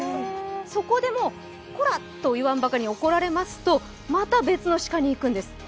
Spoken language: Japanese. そこでも、コラッといわんばかりに怒られますとまた別の鹿にいくんです。